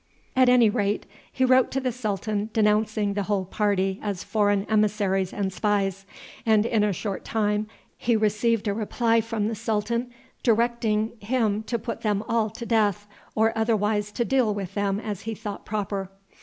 At any rate, he wrote to the sultan denouncing the whole party as foreign emissaries and spies, and in a short time he received a reply from the sultan directing him to put them all to death, or otherwise to deal with them as he thought proper.